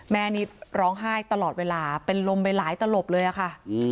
แม่นี่ร้องไห้ตลอดเวลาเป็นลมไปหลายตลบเลยอะค่ะ